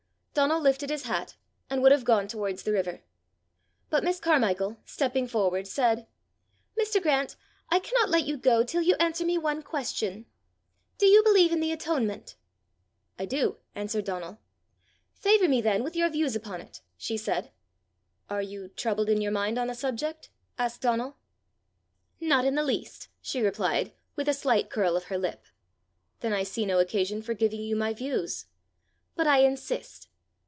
Donal lifted his hat, and would have gone towards the river. But Miss Carmichael, stepping forward, said, "Mr. Grant, I cannot let you go till you answer me one question: do you believe in the atonement?" "I do," answered Donal. "Favour me then with your views upon it," she said. "Are you troubled in your mind on the subject?" asked Donal. "Not in the least," she replied, with a slight curl of her lip. "Then I see no occasion for giving you my views." "But I insist."